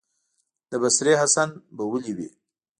د بصرې حسن به ولي وي،